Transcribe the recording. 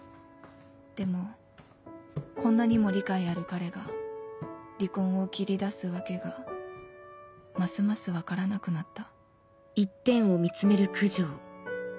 でもこんなにも理解ある彼が離婚を切り出す訳がますます分からなくなった